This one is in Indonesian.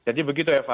jadi begitu eva